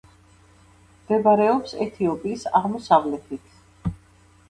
მდებარეობს ეთიოპიის აღმოსავლეთით.